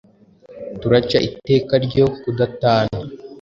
Turaca iteka ryo kudatana